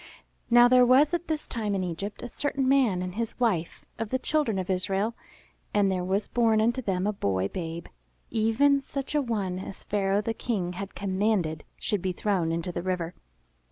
Now there was at this time in Egypt a certain man and his wife of the Children of Israel, and there was born unto them a boy babe, even such a one as Pharaoh the King, had commanded should be thrown into the river.